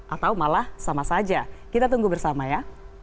atau malah sama saja kita tunggu bersama ya